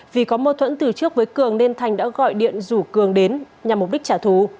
vì có mâu thuẫn từ trước với cường nên thành đã gọi điện rủ cường đến nhằm mục đích trả thù